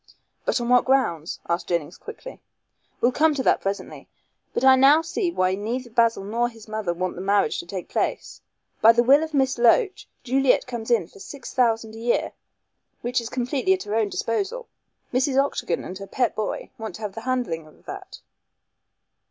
"But on what grounds?" asked Jennings quickly. "We'll come to that presently. But I now see why neither Basil nor his mother want the marriage to take place. By the will of Miss Loach Juliet comes in for six thousand a year, which is completely at her own disposal. Mrs. Octagon and her pet boy want to have the handling of that.